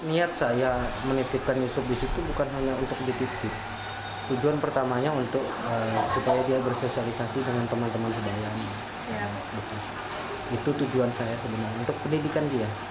itu jelas akan kami menggugatkan